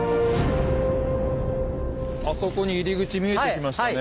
あそこに入り口見えてきましたね。